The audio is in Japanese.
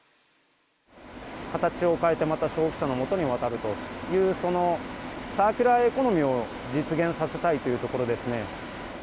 形を変えてまた消費者のもとに渡るというそのサーキュラーエコノミーを実現させたいというところですね。